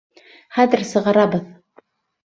Хәҙер сығарабыҙ!